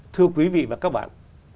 thưa quý vị và các bạn